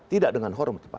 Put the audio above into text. tidak dengan hormat pak